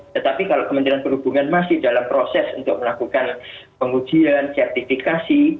tetapi kalau kementerian perhubungan masih dalam proses untuk melakukan pengujian sertifikasi